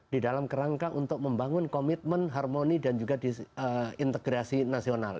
di dalam kerangka untuk membangun komitmen harmoni dan juga integrasi nasional